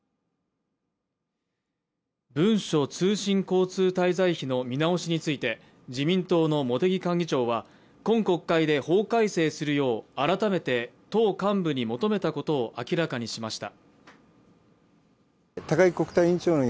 文書通信交通滞在費の見直しについて自民党の茂木幹事長は、今国会で法改正するよう改めて党幹部に求めたことを明らかにしました。